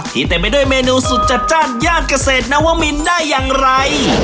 เต็มไปด้วยเมนูสุดจัดจ้านย่านเกษตรนวมินได้อย่างไร